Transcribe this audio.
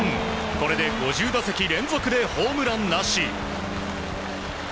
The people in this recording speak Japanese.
これで５０打席連続でホームランなし。